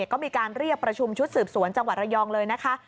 ก็มีการเรียกประชุมชุดสืบสวนจังหวัดระยองเลยนะคะ